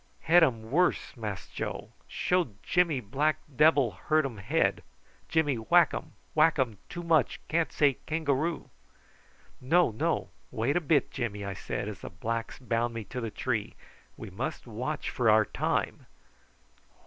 "Head um worse, Mass Joe! Show Jimmy black debble hurt um head. Jimmy whack um, whack um too much can't say kangaroo." "No, no! wait a bit, Jimmy," I said, as the blacks bound me to the tree. "We must watch for our time."